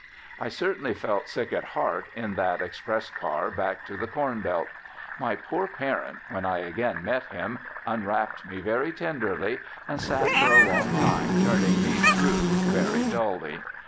I certainly felt sick at heart in that express car back to the corn belt. My poor parent, when I again met him, unwrapped me very tenderly, and sat for a long time turning me through very dully.